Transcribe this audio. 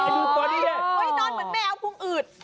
นอนเหมือนแมวพุงอืด